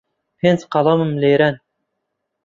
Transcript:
پێنج قەڵەم لێرەن.